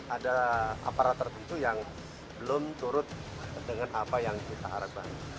ada aparat tertentu yang belum turut dengan apa yang kita harapkan